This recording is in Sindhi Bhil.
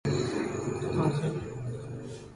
ائيٚݩ ايسيٚ ميݩ چڙسي۔